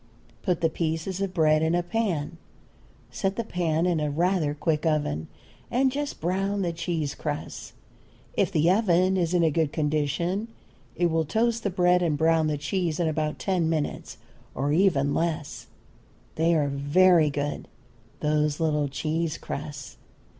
Put the pieces of bread in a pan, set the pan in a rather quick oven, and just brown the cheese crusts. If the oven is in a good condition it will toast the bread and brown the cheese in about ten minutes, or even less; they are very good, those little cheese crusts.